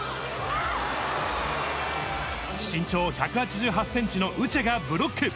身長１８８センチのウチェがブロック。